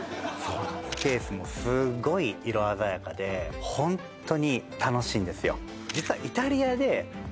ケースもすっごい色鮮やかでホントに楽しいんですよ